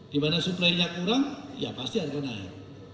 di mana suplainya kurang ya pasti harga naik